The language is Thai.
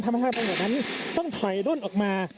ทำให้ทางตำรวจนั้นต้องถอยร่นออกมา